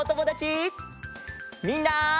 みんな。